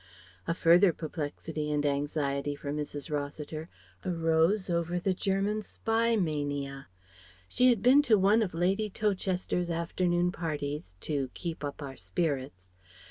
A further perplexity and anxiety for Mrs. Rossiter arose over the German spy mania. She had been to one of Lady Towcester's afternoon parties "to keep up our spirits."